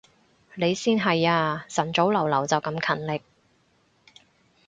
你先係啊，晨早流流就咁勤力